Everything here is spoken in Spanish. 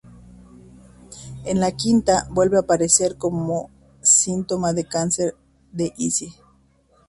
En la quinta vuelve a aparecer como síntoma del cáncer de Izzie.